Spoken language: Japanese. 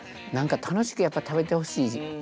なんか楽しくやっぱり食べてほしい。